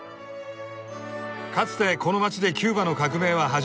かつてこの街でキューバの革命は始まり